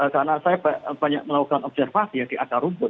karena saya melakukan observasi iya di agar rumput